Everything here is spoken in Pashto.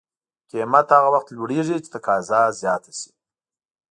قیمت هغه وخت لوړېږي چې تقاضا زیاته شي.